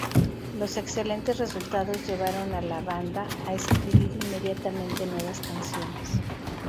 Los excelentes resultados llevaron a la banda a escribir inmediatamente nuevas canciones.